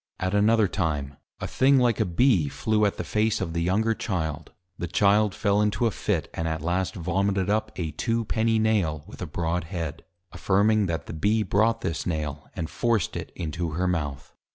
At another time, a thing like a Bee, flew at the Face of the younger Child; the Child fell into a Fit; and at last Vomited up a Two penny Nail, with a Broad Head; affirming, _That the Bee brought this Nail, and forced it into her Mouth.